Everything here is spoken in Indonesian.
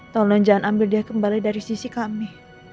tolong jangan ambil dia kembali dari sisi kami